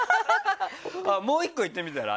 もう１個いってみたら。